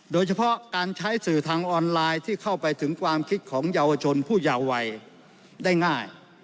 โดยเฉพาะการใช้สื่อทางออนไลน์ที่เข้าไปถึงความคิดของเยาวชนผู้เยาวัยได้ง่าย